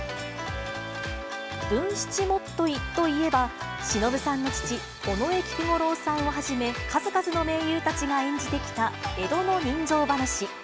文七元結といえば、しのぶさんの父、尾上菊五郎さんをはじめ、数々の名優たちが演じてきた江戸の人情ばなし。